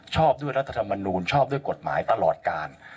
ชอบด้วยรัฐธรรมนูลชอบด้วยกฎหมายตลอดการ